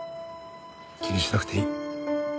気にしなくていい。